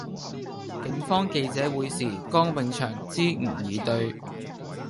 警方記者會時江永祥支吾以對